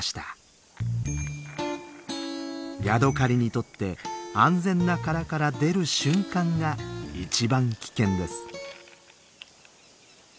ヤドカリにとって安全な殻から出る瞬間が一番危険です。